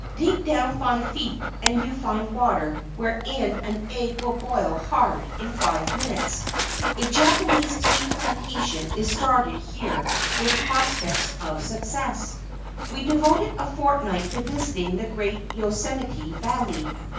Dig down five feet and you find water wherein an egg will boil hard in five minutes. A Japanese tea plantation is started here with prospects of success. We devoted a fortnight to visiting the great Yo Semite Valley.